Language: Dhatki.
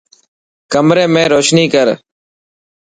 ڪمري ۾ روشني ڪر.